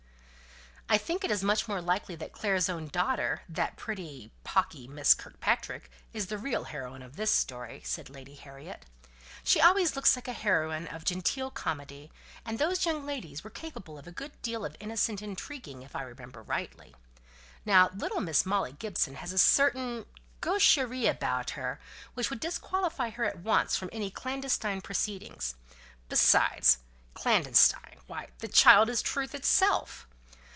"I think it is much more likely that Clare's own daughter that pretty pawky Miss Kirkpatrick is the real heroine of this story," said Lady Harriet. "She always looks like a heroine of genteel comedy; and those young ladies were capable of a good deal of innocent intriguing, if I remember rightly. Now little Molly Gibson has a certain gaucherie about her which would disqualify her at once from any clandestine proceedings. Besides, 'clandestine!' why, the child is truth itself.